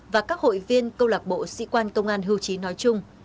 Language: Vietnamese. và các hội viên câu lạc bộ sĩ quan công an hưu trí nói chung